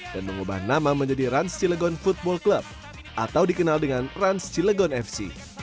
dan mengubah nama menjadi rans cilegon football club atau dikenal dengan rans cilegon fc